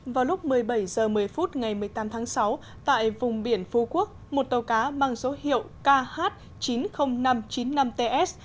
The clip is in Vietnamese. vào lúc một mươi bảy h một mươi phút ngày một mươi tám tháng sáu tại vùng biển phú quốc một tàu cá mang số hiệu kh chín mươi nghìn năm trăm chín mươi năm ts